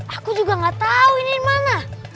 aku juga gak tahu ini mana